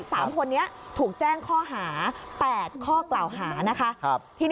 สามคนนี้ถูกแจ้งข้อหา๘ข้อกร่าวหานะคะ